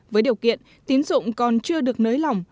với điều kiện tiến dụng còn chưa được nới lòng